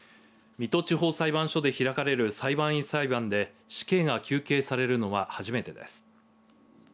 水戸地方裁判所で開かれる裁判員裁判で死刑が求刑されるのは初めてです。